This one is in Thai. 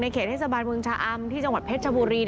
เขตเทศบาลเมืองชะอำที่จังหวัดเพชรชบุรี